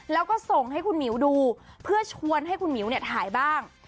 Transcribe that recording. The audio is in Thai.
แล้วก็ส่งให้คุณหมิวดูเพื่อชวนให้คุณหมิวเนี่ยถ่ายบ้าง